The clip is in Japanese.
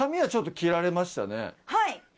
はい。